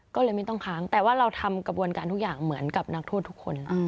ก็เลยไม่ต้องค้างแต่ว่าเราทำกระบวนการทุกอย่างเหมือนกับนักโทษทุกคน